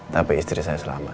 tapi istri saya selamat